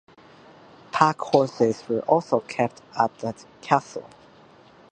Packhorses were also kept at the castle.